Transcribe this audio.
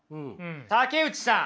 竹内さん！